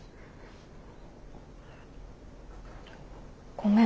ごめん。